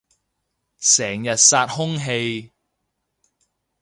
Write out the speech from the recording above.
成日殺空氣